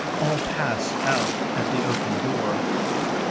All passed out at the open door.